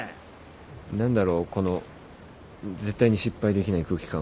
何だろうこの絶対に失敗できない空気感は。